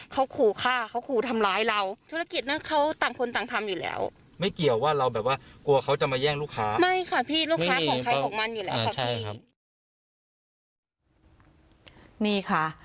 เขาขู่ฆ่าเขาขู่ทำร้ายเรา